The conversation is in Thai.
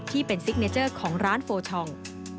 ซิกเนเจอร์ของร้านโฟชอง